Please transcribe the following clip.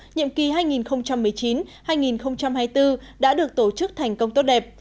nhiệm kỳ hai nghìn một mươi chín hai nghìn hai mươi bốn đã được tổ chức thành công tốt đẹp